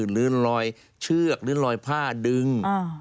หรือลอยเชือกหรือลอยผ้าดึง